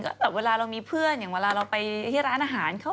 แบบเวลาเรามีเพื่อนอย่างเวลาเราไปที่ร้านอาหารเขา